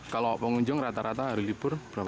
kalau pengunjung rata rata hari libur berapa